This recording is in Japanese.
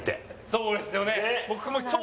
そうですよね。